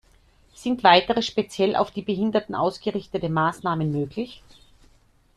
Sind weitere speziell auf die Behinderten ausgerichtete Maßnahmen möglich?